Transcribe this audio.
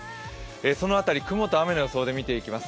その辺り、雲と雨の予想で見ていきます。